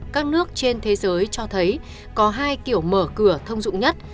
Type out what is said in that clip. các nước trên thế giới cho thấy có hai kiểu mở cửa thông dụng nhất